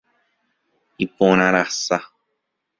Iporãrasa.